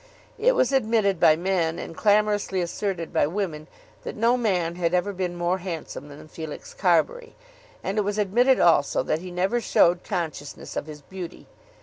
It was admitted by men and clamorously asserted by women that no man had ever been more handsome than Felix Carbury, and it was admitted also that he never showed consciousness of his beauty.